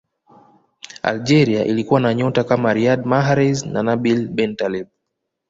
algeria ilikuwa na nyota kama riyad mahrez na nabil bentaleb